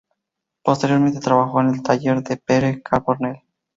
Posteriormente trabajó en el taller de Pere Carbonell.